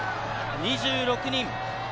２６人。